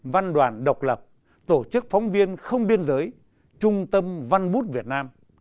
văn đoàn độc lập tổ chức phóng viên không biên giới trung tâm văn bút việt nam